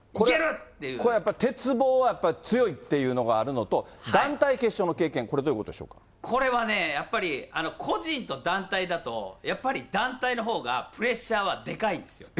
これ、やっぱり鉄棒は強いっていうのがあるのと、団体決勝の経験、これはね、やっぱり、個人と団体だと、やっぱり団体のほうがプレッシャーはでかいんですよ。